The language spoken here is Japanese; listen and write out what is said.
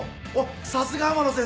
さすが天野先生。